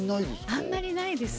あんまりないです。